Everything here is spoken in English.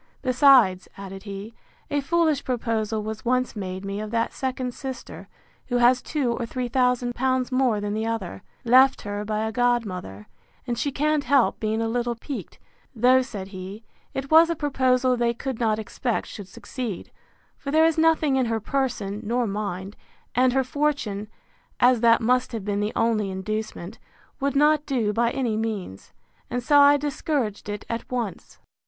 Besides, added he, a foolish proposal was once made me of that second sister, who has two or three thousand pounds more than the other, left her by a godmother, and she can't help being a little piqued; though, said he, it was a proposal they could not expect should succeed; for there is nothing in her person nor mind; and her fortune, as that must have been the only inducement, would not do by any means; and so I discouraged it at once.